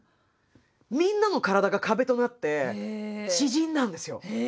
みんなの体が壁となって縮んだんですよ。